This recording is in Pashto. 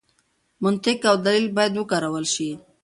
منطق او دلیل باید وکارول شي.